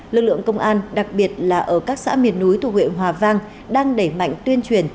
lực lượng công an đặc biệt là ở các xã miền núi thu huyện hòa vang đang đẩy mạnh tuyên truyền